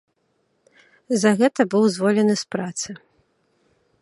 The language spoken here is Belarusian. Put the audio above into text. За гэта быў зволены з працы.